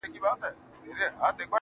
دا ځلي غواړم لېونی سم د هغې مینه کي.